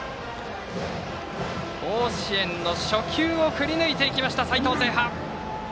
甲子園の初球を振り抜いていきました、齊藤聖覇。